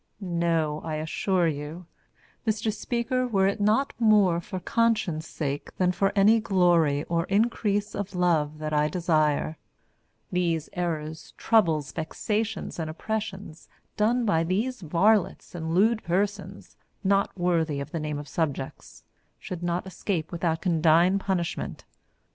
No, I assure you, Mr Speaker, were it not more for conscience' sake than for any glory or increase of love that I desire, these errors, troubles, vexations and oppressions done by these varlets and lewd persons not worthy of the name of subjects should not escape without condign punishment.